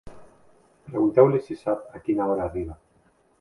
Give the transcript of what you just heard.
Pregunteu-li si sap a quina hora arriba.